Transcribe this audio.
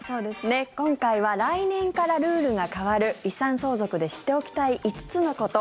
今回は来年からルールが変わる遺産相続で知っておきたい５つのこと。